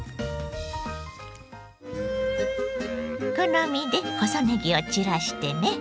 好みで細ねぎを散らしてね。